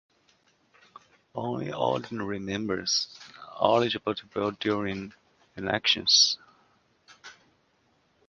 Only ordinary members are eligible to vote during elections.